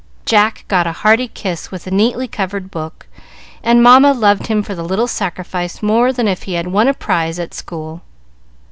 Jack got a hearty kiss with the neatly covered book, and Mamma loved him for the little sacrifice more than if he had won a prize at school.